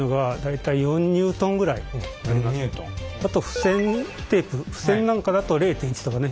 あとふせんテープふせんなんかだと０．１とかね